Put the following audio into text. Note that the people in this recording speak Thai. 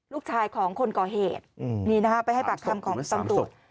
ลูกชายของคนก่อเหตุนี่นะฮะไปให้ปากคำของตำรวจ